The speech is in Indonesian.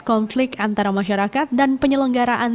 konflik antara masyarakat dan penyelenggaraan